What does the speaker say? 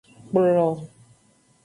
Kplo.